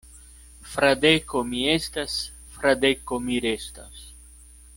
Fradeko mi estas; Fradeko mi restos.